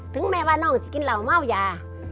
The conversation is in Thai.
ถึงแม้ว่าน้องจะกินเหล่าเมายา